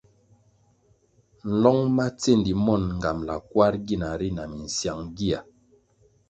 Nlong ma tsendi mon ngambʼla kwarʼ gina ri na minsyang gia.